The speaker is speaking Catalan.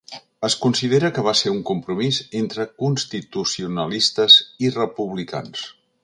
Es considera que va ser un compromís entre constitucionalistes i republicans.